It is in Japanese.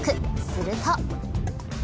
すると。